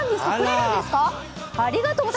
ありがとう！